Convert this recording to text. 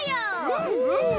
うんうん！